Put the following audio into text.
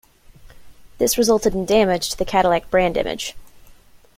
This resulted in damage to the Cadillac brand image.